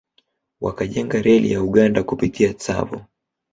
Wakajenga reli ya Uganda kupitia Tsavo